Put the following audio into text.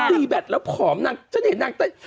ตีแบตแล้วผอมนาง